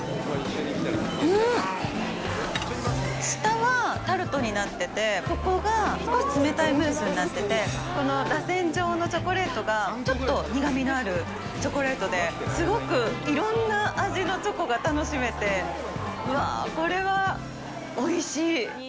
下はタルトになってて、ここが少し冷たいムースになってて、このらせん状のチョコレートがちょっと苦みのあるチョコレートで、すごくいろんな味のチョコが楽しめて、うわ、これはおいしい！